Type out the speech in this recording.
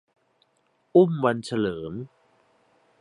อุ้มวันเฉลิม